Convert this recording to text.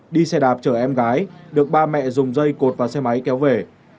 đi xe đạp chở em gái được ba mẹ dùng dây cột và xe máy kéo về